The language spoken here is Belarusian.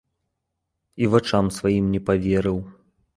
І вачам сваім не паверыў.